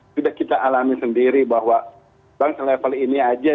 tidak kita alami sendiri bahwa bank selevel ini saja